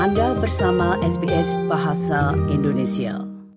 anda bersama sbs bahasa indonesia